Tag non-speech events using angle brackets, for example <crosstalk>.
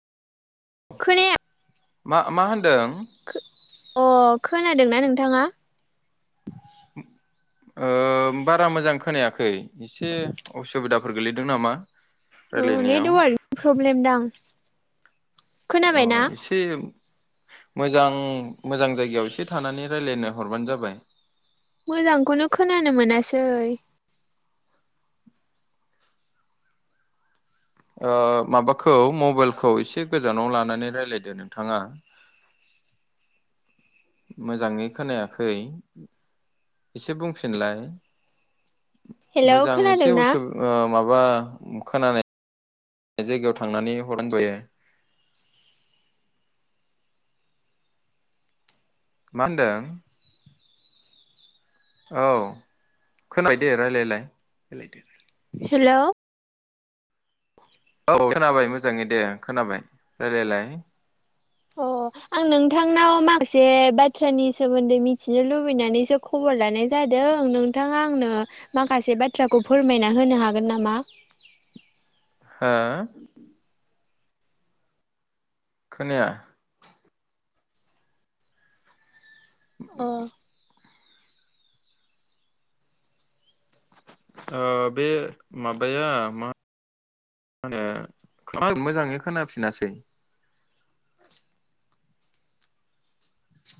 खोनाया मा - मा होनदों खो अ खोनादों ना नोंथाङा ओ बारा मोजां खोनायाखै एसे असुबिदाफोर गोलैदों नामा? अ रायलायनायाव नेटवारकनि प्रब्लेम दां अ खोनाबायना एसे मोजां मोजां जायगायाव एसे थानानै रायज्लायनो हरबानो जाबाय। मोजांखौनो खोनानो मोनासै ओ माबाखौ मबाइलखौ एसे गोजानाव लानानै राय्लायदो नोंथाङा मोजाङै खोनायाखै एसे बुंफिनलाय। हेलौ मोजां एसे खोनादोंना उसुब ओ माबा माबा खोनानाय जायगायाव थांनानै हरनो <unintelligible> मा होनदों औ खोनाय दे रायलायलाय रायलायदो रायलादो। हेलौ औ खोनाबाय मोजाङै दे खोनाबाय रायलायलाय। अ आं नोंथांनाव माखासे बाथ्रानि सोमोन्दै मिथिनो लुबैनानैसो खबर लानाय जादों नोंथाङा आंनो माखासे बाथ्राखौ फोरमायना होनो हागोन नामा? हा खोनाया अ <inaudible> ओ बे माबाया मा माहोनो <unintelligible> मोजाङै खोनाफिनासै